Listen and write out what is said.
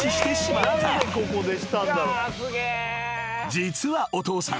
［実はお父さん。